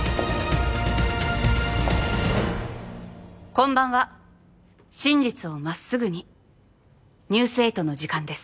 こんばんは真実をまっすぐに「ニュース８」の時間です。